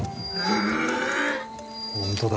本当だ。